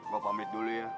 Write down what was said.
gue pamit dulu ya